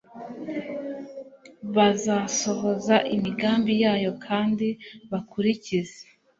bazasohoza imigambi yayo kandi bakurikize